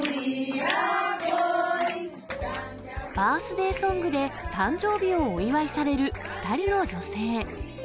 バースデーソングで誕生日をお祝いされる２人の女性。